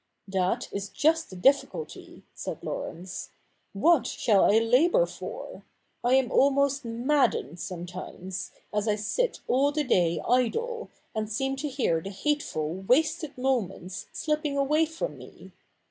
' That is just the difficulty,' said Laurence. ' What shall I labour for ? I am almost maddened sometimes, as I sit all the day idle, and seem to hear the hateful wasted moments slipping away from me.